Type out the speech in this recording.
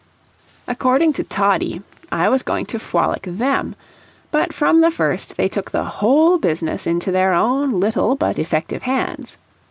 According to Toddie, I was going to "fwolic" THEM; but from the first they took the whole business into their own little but effective hands.